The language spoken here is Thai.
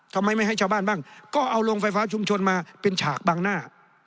ทำไมไม่ให้ชาวบ้านบ้างก็เอาโรงไฟฟ้าชุมชนมาเป็นฉากบางหน้า